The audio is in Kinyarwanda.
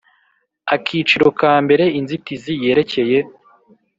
Akiciro ka mbere Inzitizi yerekeye